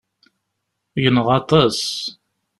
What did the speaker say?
Gneɣ aṭas.